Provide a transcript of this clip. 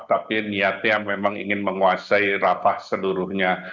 tapi niatnya memang ingin menguasai rafah seluruhnya